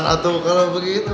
atau kalau begitu